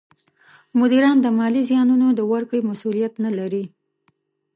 مدیران د مالي زیانونو د ورکړې مسولیت نه لري.